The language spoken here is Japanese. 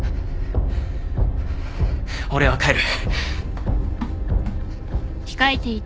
俺は帰る。